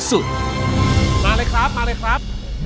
มาเลยครับมาเลยครับ